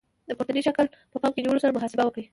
د پورتني شکل په پام کې نیولو سره محاسبه وکړئ.